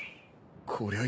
こりゃあ